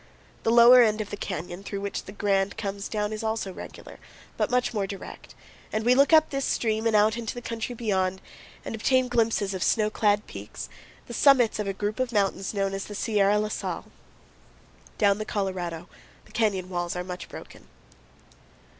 The lower end of the canyon through which the Grand comes down is also regular, but much more direct, and we look up this stream and out into the country beyond and obtain glimpses of snow clad peaks, the summits of a group of mountains known as the Sierra La Sal. Down the Colorado the canyon walls are much broken.